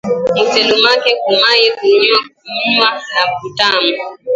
Mu telemuke ku mayi, kuko myuwa ya butamu